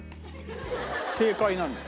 正解なんだよ。